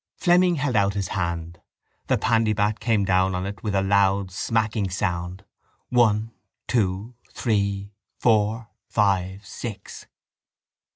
Fleming held out his hand. The pandybat came down on it with a loud smacking sound: one, two, three, four, five, six.